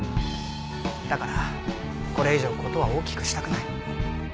だからこれ以上事は大きくしたくない。